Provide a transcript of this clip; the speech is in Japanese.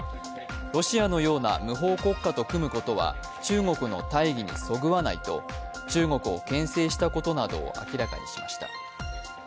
ロシアのような無法国家と組むことは中国の大義にそぐわないと中国をけん制したことなどを明らかにしました